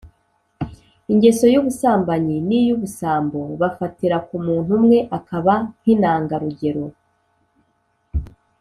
ingeso y'ubusambanyi n'iy'ubusambo: bafatira ku muntu umwe akaba nk'•inanga-rugero